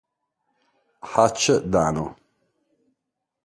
Hutch Dano